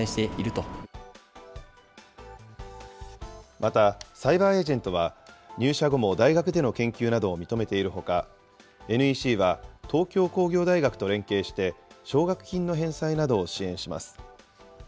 また、サイバーエージェントは、入社後も大学での研究などを認めているほか、ＮＥＣは、東京工業大学と連携して、奨学金の返済などを支援します。